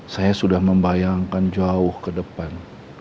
saya sudah membayangkan jauh ke depan